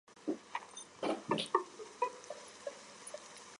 暖暖包都用了三个